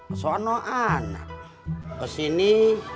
kesana anak kesini